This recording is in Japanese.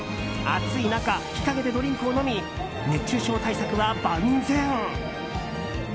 暑い中、日陰でドリンクを飲み熱中症対策は万全。